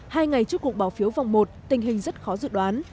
hai ngày trước cuộc bỏ phiếu vòng một tình hình rất khó dự đoán